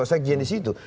ada pak sajian di situ